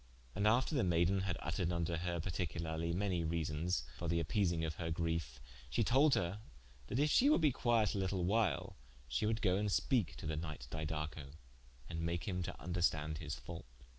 And after the maiden had vttered vnto her particularly many reasons, for the appeasing of her griefe, she told her that if she would be quiet a litle while, she would go and speake to the knight Didaco, and make him to vnderstand his fault.